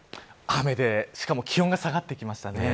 雨で、しかも気温が下がってきましたね。